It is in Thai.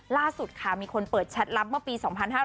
ล่าสุดค่ะมีคนเปิดแชทลับเมื่อปี๒๕๕๙